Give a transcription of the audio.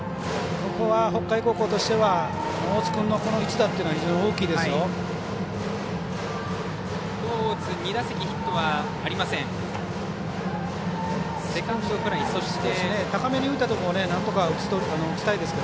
ここは、北海高校としては大津君の一打というのは非常に大きいですよ。